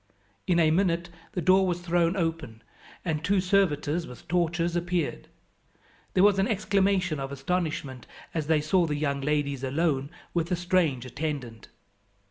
In a minute the door was thrown open, and two servitors with torches appeared. There was an exclamation of astonishment as they saw the young ladies alone with a strange attendant.